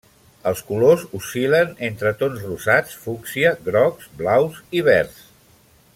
Els colors oscil·len entre tons rosats, fúcsia, grocs, blaus i verds.